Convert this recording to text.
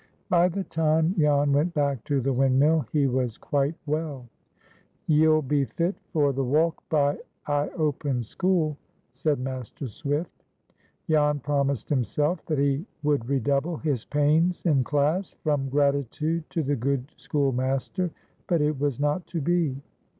BY the time Jan went back to the windmill he was quite well. "Ye'll be fit for the walk by I open school," said Master Swift. Jan promised himself that he would redouble his pains in class, from gratitude to the good schoolmaster. But it was not to be.